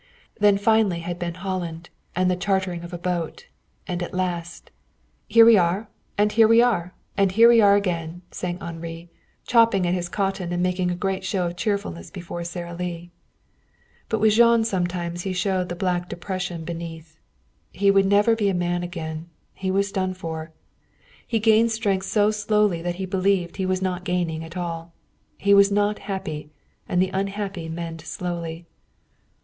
Then finally had been Holland, and the chartering of a boat and at last "Here we are, and here we are, and here we are again," sang Henri, chopping at his cotton and making a great show of cheerfulness before Sara Lee. But with Jean sometimes he showed the black depression beneath. He would never be a man again. He was done for. He gained strength so slowly that he believed he was not gaining at all. He was not happy, and the unhappy mend slowly.